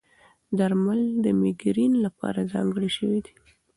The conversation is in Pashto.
درمل د مېګرین لپاره ځانګړي شوي دي.